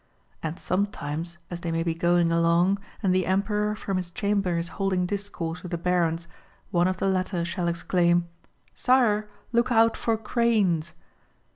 And some times, as they maybe going along, and the Emperor from his chamber is holding discourse with the Barons, one of the latter shall exclaim :" Sire ! Look out for Cranes